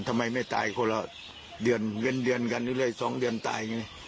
ทำไมไม่ตายคนละเดือนเดือนกันอีกเลยสองเดือนตายอย่างงี้